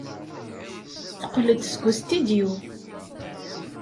Teqqel-d seg ustidyu.